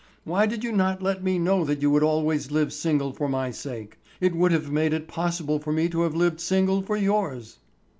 Why did you not let me know that you would always live single for my sake; it would have made it possible for me to have lived single for yours."